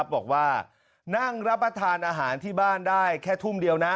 บอกว่านั่งรับประทานอาหารที่บ้านได้แค่ทุ่มเดียวนะ